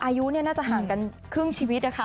อายุน่าจะห่างกันครึ่งชีวิตนะคะ